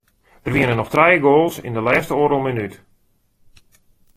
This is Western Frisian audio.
Der wiene noch trije goals yn de lêste oardel minút.